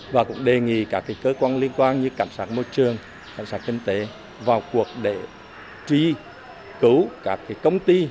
và cũng đề nghị các cái cơ quan liên quan như cảm sát môi trường cảm sát kinh tế vào cuộc để truy cấu các cái công ty